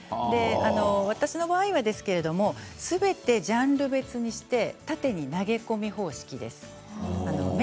私の場合はですけどすべてジャンル別にして縦に投げ込み方式です。